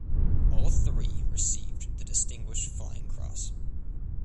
All three received the Distinguished Flying Cross.